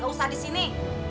gak usah di sini